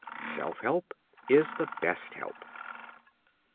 Self help is the best help.